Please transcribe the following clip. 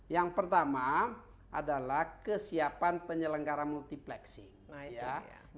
yang pertama adalah kesiapan penyelenggara multiplexing